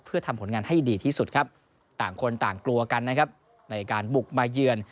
เพื่อทำผลงานให้ดีที่สุดครับต่างคนต่างกลัวกันนะครับในการบุกมาเยือน